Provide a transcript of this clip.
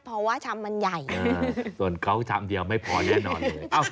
เพราะว่าชามมันใหญ่ส่วนเขาชามเดียวไม่พอแน่นอนเลย